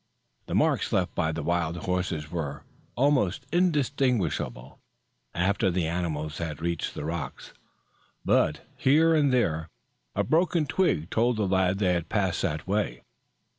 The marks left by the wild horses were almost indistinguishable after the animals had reached the rocks, but here and there a broken twig told the lad they had passed that way.